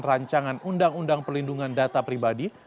rancangan undang undang perlindungan data pribadi